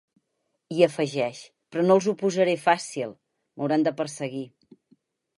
I afegeix—: Però no els ho posaré fàcil; m’hauran de perseguir.